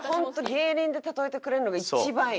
芸人で例えてくれるのが一番いい。